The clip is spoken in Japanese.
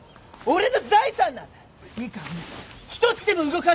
俺の財産なんだ！いいか？